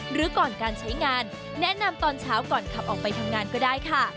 หรือก่อนการใช้งานแนะนำตอนเช้าก่อนขับออกไปทำงานก็ได้ค่ะ